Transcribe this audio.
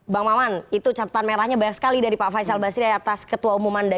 bang maman itu catatan merahnya banyak sekali dari pak faisal basri atas ketua umum anda